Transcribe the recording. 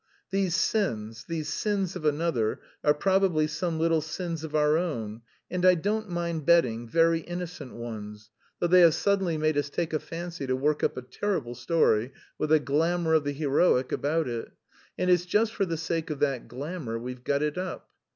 These 'sins' these 'sins of another' are probably some little sins of our own, and I don't mind betting very innocent ones, though they have suddenly made us take a fancy to work up a terrible story, with a glamour of the heroic about it; and it's just for the sake of that glamour we've got it up.